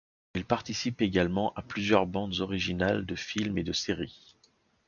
Il participe également à plusieurs bandes originales de films et de séries.